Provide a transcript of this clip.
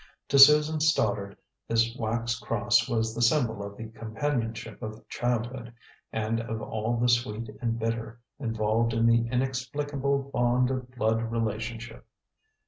To Susan Stoddard this wax cross was the symbol of the companionship of childhood, and of all the sweet and bitter involved in the inexplicable bond of blood relationship.